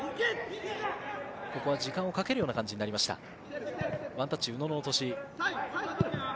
ここは時間をかけるような形になりました。